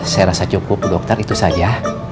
saya rasa cukup dokter itu saja